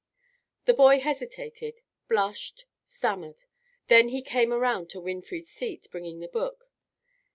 The boy hesitated, blushed, stammered; then he came around to Winfried's seat, bringing the book.